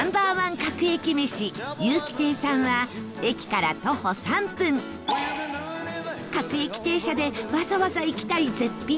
各駅めしゆうき亭さんは駅から徒歩３分各駅停車で、わざわざ行きたい絶品のお店です